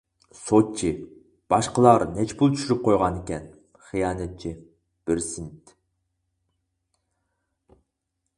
سوتچى:-باشقىلار نەچچە پۇل چۈشۈرۈپ قويغانىكەن؟ خىيانەتچى:-بىر سېنىت.